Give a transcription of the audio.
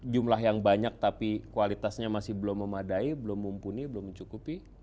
jumlah yang banyak tapi kualitasnya masih belum memadai belum mumpuni belum mencukupi